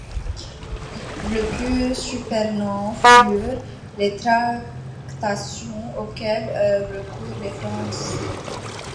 Le plus surprenant furent les tractations auxquelles eurent recours les Français.